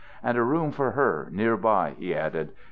"And a room for her near by," he added.